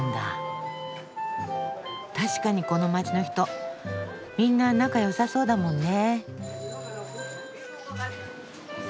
確かにこの街の人みんな仲良さそうだもんね。